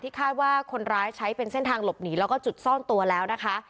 คาดว่าคนร้ายใช้เป็นเส้นทางหลบหนีแล้วก็จุดซ่อนตัวแล้วนะคะ